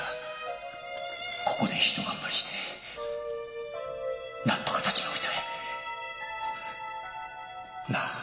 ここで一頑張りして何とか立ち直りたい。なあ？